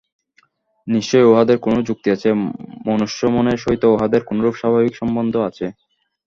নিশ্চয়ই উহাদের কোন যুক্তি আছে, মনুষ্য-মনের সহিত উহাদের কোনরূপ স্বাভাবিক সম্বন্ধ আছে।